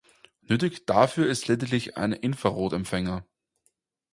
Nötig ist dafür lediglich ein Infrarot-Empfänger.